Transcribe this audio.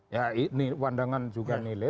ya ini pandangan juga nilai